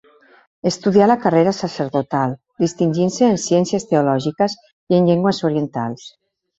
Estudià la carrera sacerdotal, distingint-se en ciències teològiques i en llengües orientals.